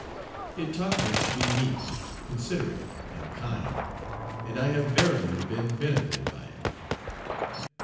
It taught me to be meek, considerate, and kind, and I have verily been benefited by it.